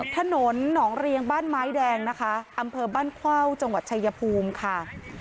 ถนนหนองเรียงบ้านไม้แดงนะคะอำเภอบ้านเข้าจังหวัดชายภูมิค่ะ